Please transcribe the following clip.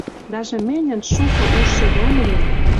Даже мӹньӹн шукы ужшы йӓнгем